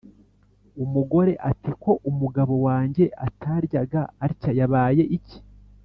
umugore ati: "Ko umugabo wanjye ataryaga atya, yabaye iki ?"